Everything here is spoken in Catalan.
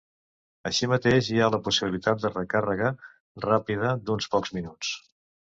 Així mateix, hi ha la possibilitat de recàrrega ràpida d'uns pocs minuts.